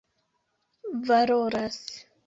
valoras